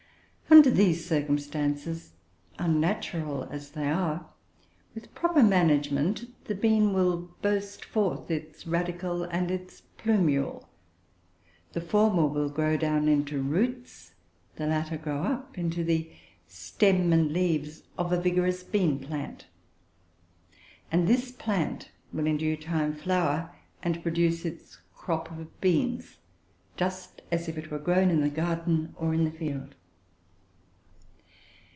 Under these circumstances, unnatural as they are, with proper management, the bean will thrust forth its radicle and its plumule; the former will grow down into roots, the latter grow up into the stem and leaves of a vigorous bean plant; and this plant will, in due time, flower and produce its crop of beans, just as if it were grown in the garden or in the field.